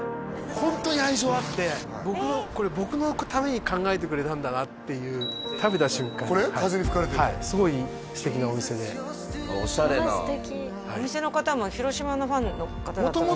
本当に愛情あって僕のために考えてくれたんだなっていう食べた瞬間にこれ風に吹かれてってはいすごい素敵なお店でオシャレなわあ素敵お店の方も広島のファンの方だったんですよね？